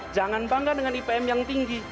jangan bangga dengan ipm yang tinggi